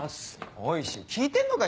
おい柊聞いてんのか？